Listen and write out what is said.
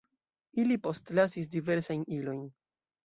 Ili postlasis diversajn ilojn.